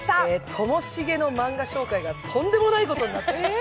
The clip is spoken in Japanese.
ともしげのマンガ紹介がとんでもないことになっております。